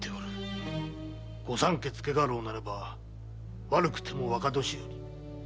御三家付家老ならば悪くても若年寄。